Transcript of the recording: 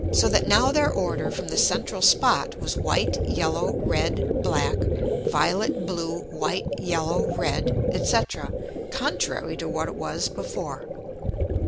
So that now their order from the central Spot was white, yellow, red; black; violet, blue, white, yellow, red, &c. contrary to what it was before.